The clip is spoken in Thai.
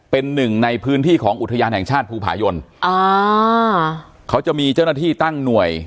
เป็นหนึ่งในพื้นที่ของอุทยานแห่งชาติภูผายนอ่าเขาจะมีเจ้าหน้าที่ตั้งหน่วย